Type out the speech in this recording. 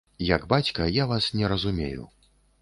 Як бацька, я вас не разумею.